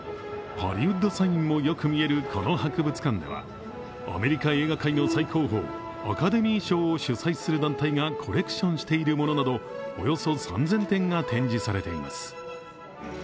ハリウッドサインもよく見えるこの博物館ではアメリカ映画界の最高峰・アカデミー賞を主催する団体がコレクションしているものなどおよそ３０００点が展示されています。